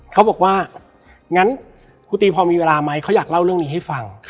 เขาบอกว่างั้นครูตีพอมีเวลาไหมเขาอยากเล่าเรื่องนี้ให้ฟัง